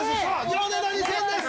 ヨネダ２０００です！